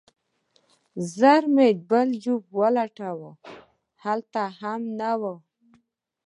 ژر مې بل جيب ولټاوه هلته هم نه و.